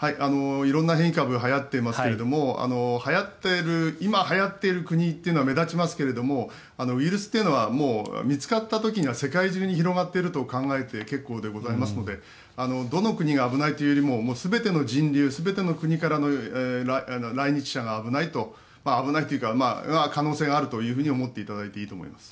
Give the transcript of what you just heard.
色んな変異株が流行っていますが今はやっている国というのは目立ちますけどもウイルスというのはもう見つかった時には世界中に広がっていると考えて結構でございますのでどの国が危ないというよりも全ての人流全ての国からの来日者が危ないと危ないというか可能性があると思っていただいていいと思います。